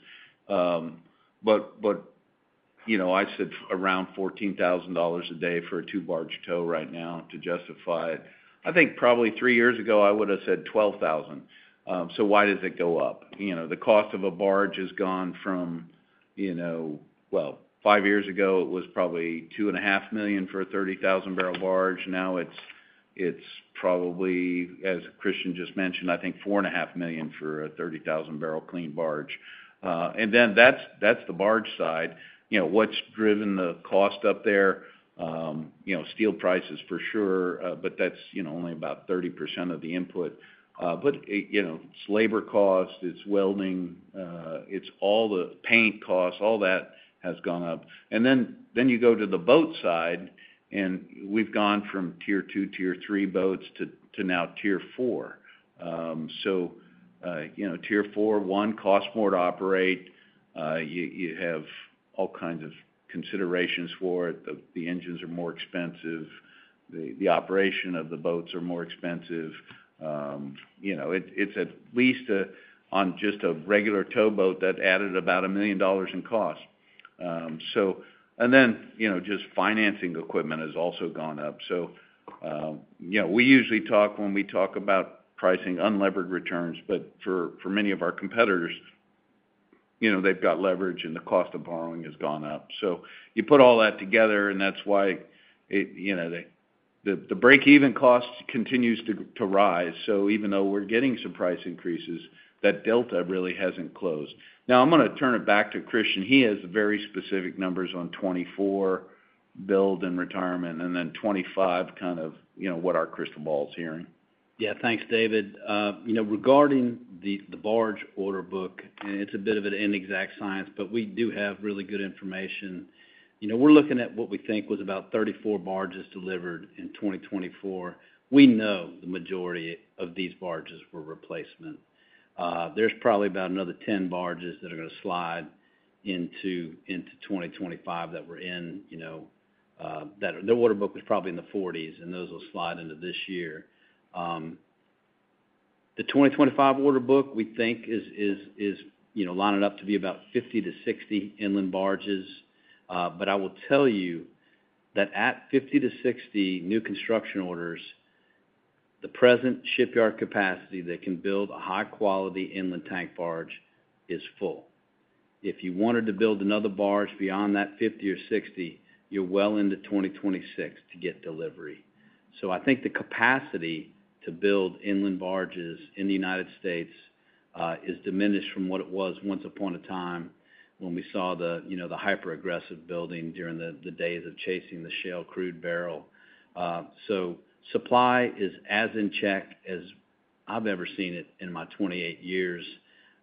But I said around $14,000 a day for a two-barge tow right now to justify it. I think probably three years ago, I would have said $12,000. So why does it go up? The cost of a barge has gone from, well, five years ago, it was probably $2.5 million for a 30,000 bbl barge. Now it's probably, as Christian just mentioned, I think $4.5 million for a 30,000 bbl clean barge. And then that's the barge side. What's driven the cost up there? Steel prices, for sure, but that's only about 30% of the input. But it's labor cost, it's welding, it's all the paint costs. All that has gone up. And then you go to the boat side, and we've gone from Tier 2, Tier 3 boats to now Tier 4. So Tier 4, one, costs more to operate. You have all kinds of considerations for it. The engines are more expensive. The operation of the boats are more expensive. It's at least on just a regular towboat that added about $1 million in cost. And then just financing equipment has also gone up. So we usually talk when we talk about pricing unleveraged returns, but for many of our competitors, they've got leverage and the cost of borrowing has gone up. So you put all that together, and that's why the break-even cost continues to rise. So even though we're getting some price increases, that delta really hasn't closed. Now, I'm going to turn it back to Christian. He has very specific numbers on 2024 build and retirement, and then 2025 kind of what our crystal ball is hearing. Yeah, thanks, David. Regarding the barge order book, it's a bit of an inexact science, but we do have really good information. We're looking at what we think was about 34 barges delivered in 2024. We know the majority of these barges were replacement. There's probably about another 10 barges that are going to slide into 2025 that we're in. The order book is probably in the 40s, and those will slide into this year. The 2025 order book, we think, is lining up to be about 50 to 60 inland barges. But I will tell you that at 50 to 60 new construction orders, the present shipyard capacity that can build a high-quality inland tank barge is full. If you wanted to build another barge beyond that 50 or 60, you're well into 2026 to get delivery. So I think the capacity to build inland barges in the United States is diminished from what it was once upon a time when we saw the hyper-aggressive building during the days of chasing the shale crude barrel. So supply is as in check as I've ever seen it in my 28 years.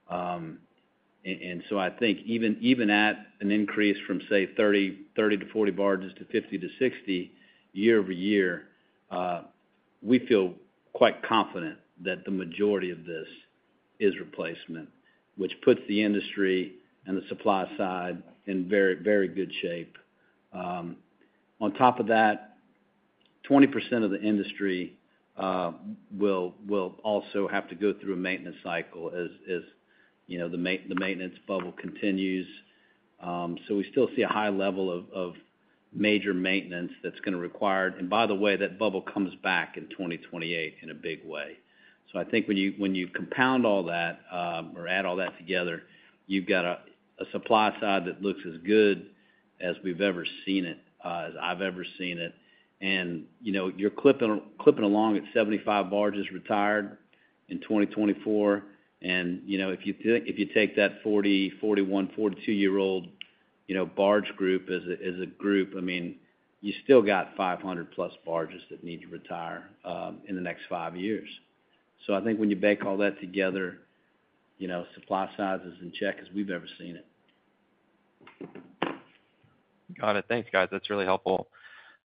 And so I think even at an increase from, say, 30-40 barges to 50-60 year-over-year, we feel quite confident that the majority of this is replacement, which puts the industry and the supply side in very, very good shape. On top of that, 20% of the industry will also have to go through a maintenance cycle as the maintenance bubble continues. So we still see a high level of major maintenance that's going to require. And by the way, that bubble comes back in 2028 in a big way. So I think when you compound all that or add all that together, you've got a supply side that looks as good as we've ever seen it, as I've ever seen it. And you're clipping along at 75 barges retired in 2024. If you take that 40, 41, 42-year-old barge group as a group, I mean, you still got 500-plus barges that need to retire in the next five years. I think when you bake all that together, supply side is in check as we've ever seen it. Got it. Thanks, guys. That's really helpful.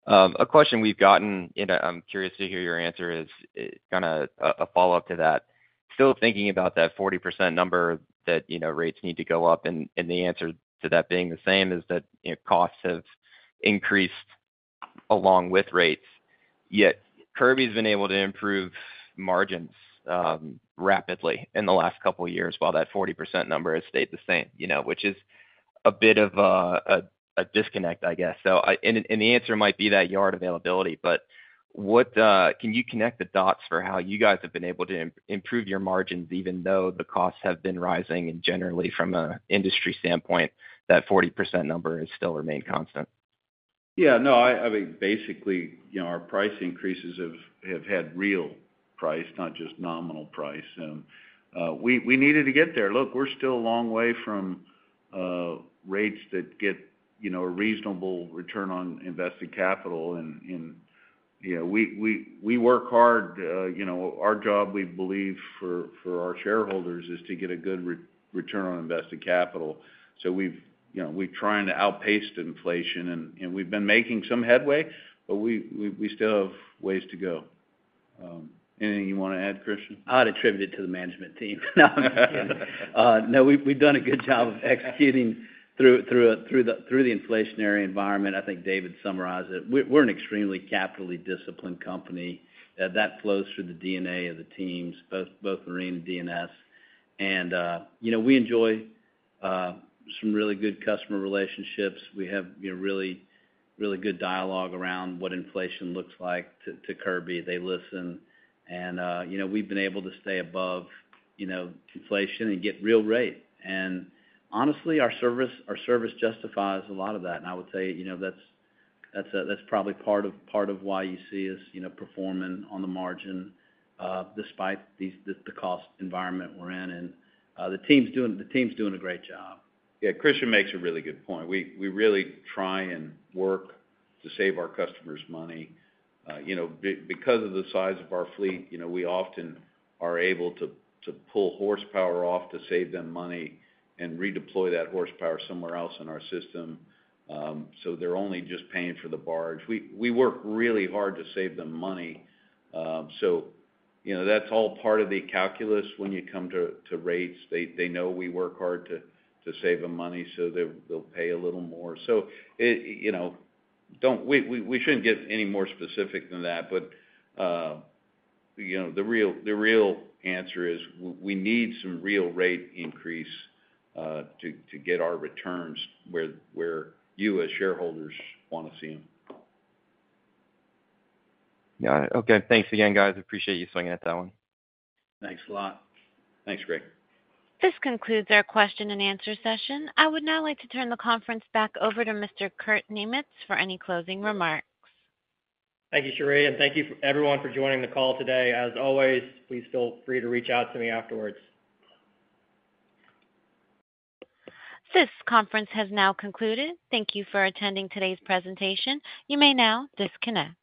A question we've gotten, and I'm curious to hear your answer is kind of a follow-up to that. Still thinking about that 40% number that rates need to go up, and the answer to that being the same is that costs have increased along with rates, yet Kirby's been able to improve margins rapidly in the last couple of years while that 40% number has stayed the same, which is a bit of a disconnect, I guess. The answer might be that yard availability, but can you connect the dots for how you guys have been able to improve your margins even though the costs have been rising and generally from an industry standpoint, that 40% number has still remained constant? Yeah. No, I mean, basically, our price increases have had real price, not just nominal price. And we needed to get there. Look, we're still a long way from rates that get a reasonable return on invested capital. And we work hard. Our job, we believe, for our shareholders is to get a good return on invested capital. So we're trying to outpace inflation, and we've been making some headway, but we still have ways to go. Anything you want to add, Christian? I'd attribute it to the management team. No, we've done a good job of executing through the inflationary environment. I think David summarized it. We're an extremely capital disciplined company. That flows through the DNA of the teams, both Marine and D&S, and we enjoy some really good customer relationships. We have really good dialogue around what inflation looks like to Kirby. They listen, and we've been able to stay above inflation and get real rate, and honestly, our service justifies a lot of that, and I would say that's probably part of why you see us performing on the margin despite the cost environment we're in, and the team's doing a great job. Yeah, Christian makes a really good point. We really try and work to save our customers money. Because of the size of our fleet, we often are able to pull horsepower off to save them money and redeploy that horsepower somewhere else in our system. So they're only just paying for the barge. We work really hard to save them money. So that's all part of the calculus when you come to rates. They know we work hard to save them money, so they'll pay a little more. So we shouldn't get any more specific than that, but the real answer is we need some real rate increase to get our returns where you as shareholders want to see them. Got it. Okay. Thanks again, guys. Appreciate you swinging at that one. Thanks a lot. Thanks, Greg. This concludes our question and answer session. I would now like to turn the conference back over to Mr. Kurt Niemietz for any closing remarks. Thank you, Sheree. And thank you everyone for joining the call today. As always, please feel free to reach out to me afterwards. This conference has now concluded. Thank you for attending today's presentation. You may now disconnect.